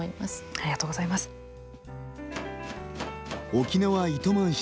ありがとうございます。